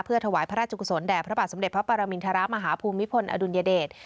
ถวายพระราชกุศลแด่พระบาทสมเด็จพระปรมินทรมาฮภูมิพลอดุลยเดช